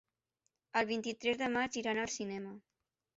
El vint-i-tres de maig iran al cinema.